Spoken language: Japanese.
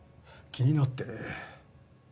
気になってね。